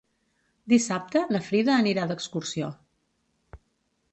Dissabte na Frida anirà d'excursió.